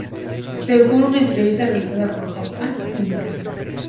Según una entrevista realizada por "Japan Inc.